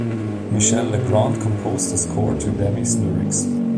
Michel Legrand composed the score, to Demy's lyrics.